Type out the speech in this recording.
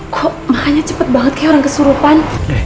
kok makanya cepet banget kayak orang kesurupan